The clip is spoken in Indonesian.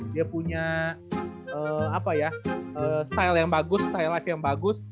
dia punya style yang bagus style life yang bagus